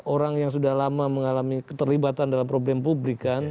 orang yang sudah lama mengalami keterlibatan dalam problem publik kan